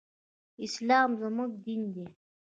اسلام زمونږ دين دی.